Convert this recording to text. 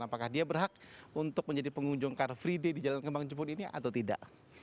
apakah dia berhak untuk menjadi pengunjung car free day di jalan kembang jepun ini atau tidak